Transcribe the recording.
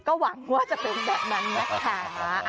ก็หวังว่าจะเป็นแบบนั้นนะคะ